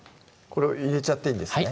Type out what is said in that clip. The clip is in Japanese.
これを入れちゃっていいんですね